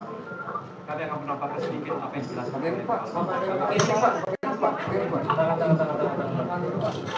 tadi akan menampakkan sedikit apa yang sudah saya jelaskan